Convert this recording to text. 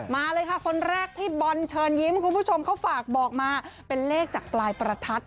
มาเลยค่ะคนแรกพี่บอลเชิญยิ้มคุณผู้ชมเขาฝากบอกมาเป็นเลขจากปลายประทัด